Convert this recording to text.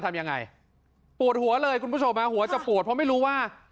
ทำยังไงปวดหัวเลยคุณผู้ชมฮะหัวจะปวดเพราะไม่รู้ว่า